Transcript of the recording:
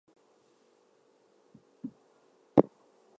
On the way, he encountered some soldiers who questioned him.